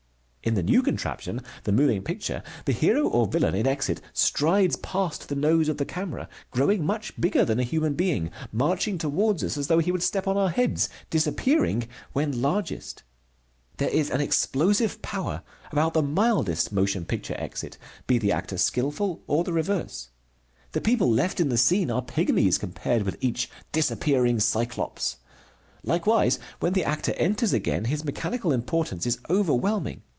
In the new contraption, the moving picture, the hero or villain in exit strides past the nose of the camera, growing much bigger than a human being, marching toward us as though he would step on our heads, disappearing when largest. There is an explosive power about the mildest motion picture exit, be the actor skilful or the reverse. The people left in the scene are pygmies compared with each disappearing cyclops. Likewise, when the actor enters again, his mechanical importance is overwhelming.